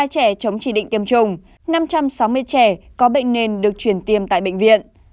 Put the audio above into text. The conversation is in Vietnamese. một mươi hai trẻ chống chỉ định tiêm chủng năm trăm sáu mươi trẻ có bệnh nên được chuyển tiêm tại bệnh viện